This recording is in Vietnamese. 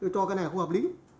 cho cái này là không hợp lý